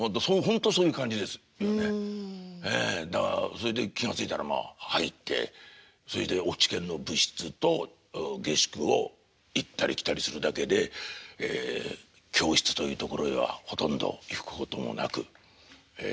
それで気が付いたらまあ入ってそれで落研の部室と下宿を行ったり来たりするだけで教室というところへはほとんど行くこともなくええ